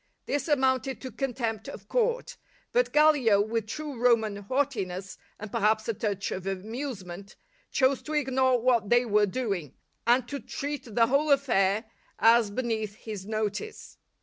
This amounted to contempt of court; but Gallio, with true Roman haughtiness, and perhaps a touch of amuse ment, chose to ignore what they were doing, and to treat the whole affair as beneath his notice.